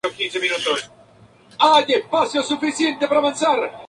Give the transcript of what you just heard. Es una especie muy escasa en Valencia y Mallorca.